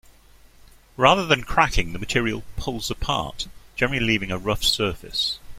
Rather than cracking, the material "pulls apart," generally leaving a rough surface.